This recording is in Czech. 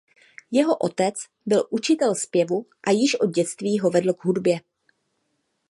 Jeho otec byl učitel zpěvu a již od dětství ho vedl k hudbě.